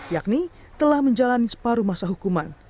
yakni telah menjalani separuh masa hukuman